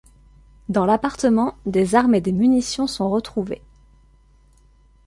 Dans l'appartement, des armes et des munitions sont retrouvées.